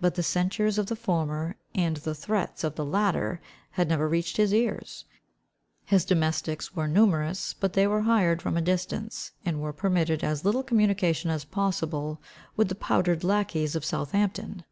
But the censures of the former, and the threats of the latter, had never reached his ears. His domestics were numerous, but they were hired from a distance, and were permitted as little communication as possible with the powdered lacquies of Southampton.